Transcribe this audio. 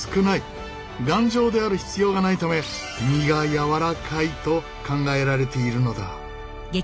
頑丈である必要がないため身がやわらかいと考えられているのだ。